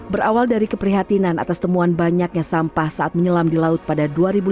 berawal dari keprihatinan atas temuan banyaknya sampah saat menyelam di laut pada dua ribu lima belas